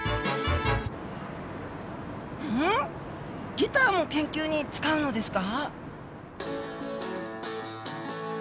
ギターも研究に使うのですか？